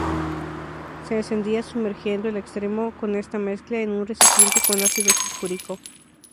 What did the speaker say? Se encendía sumergiendo el extremo con esta mezcla en un recipiente con ácido sulfúrico.